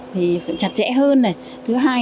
thì chặt chẽ hơn thứ hai